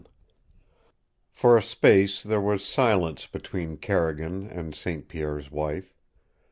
XI For a space there was silence between Carrigan and St. Pierre's wife.